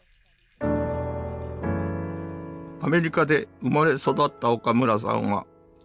アメリカで生まれ育った岡村さんは当時１５歳。